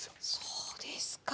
そうですか。